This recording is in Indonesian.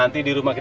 nanti di rumah ini